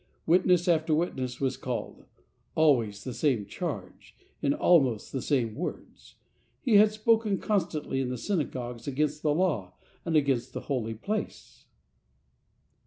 > Witness after witness was called — always .the same charge, in almost the same words. " AGAINST THE GOAD " He had spoken constantly in the synagogues against the Law and against the Holy Place.